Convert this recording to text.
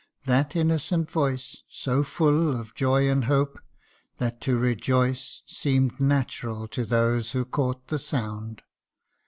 that innocent voice, So full of joy and hope, that to rejoice Seem'd natural to those who caught the sound